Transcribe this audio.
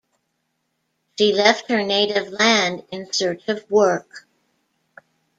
She left her native land in search of work.